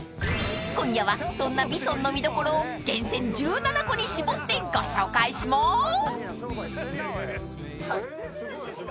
［今夜はそんなＶＩＳＯＮの見どころを厳選１７個に絞ってご紹介します］